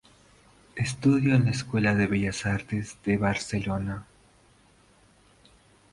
Estudió en la Escuela de Bellas Artes de Barcelona.